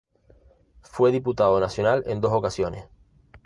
Fue diputado nacional en dos ocasiones.